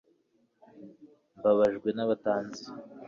mbabajwe nabatanzi